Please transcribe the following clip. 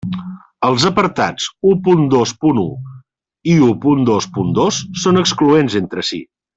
Els apartats u punt dos punt u i u punt dos punt dos són excloents entre si.